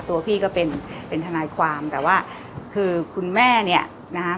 ตัวพี่ก็เป็นเป็นทนายความแต่ว่าคือคุณแม่เนี่ยนะคะ